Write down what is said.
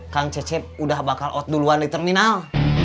kang cecep udah bakal out duluan di terminal